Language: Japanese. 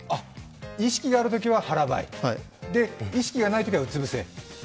意識があるときは腹ばい、意識がないときは、うつ伏せ。